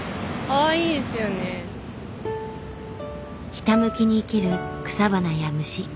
ひたむきに生きる草花や虫。